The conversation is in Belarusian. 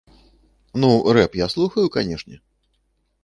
Ну, рэп я слухаю, канешне.